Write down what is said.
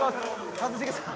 一茂さん